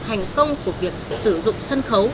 hành công của việc sử dụng sân khấu